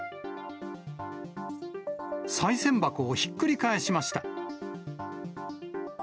さい銭箱をひっくり返しました。